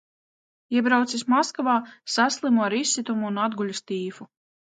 Iebraucis Maskavā, saslimu ar izsitumu un atguļas tīfu.